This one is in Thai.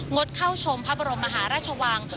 ดเข้าชมพระบรมมหาราชวัง